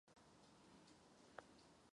Je levým přítokem Zambezi.